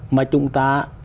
mà chúng ta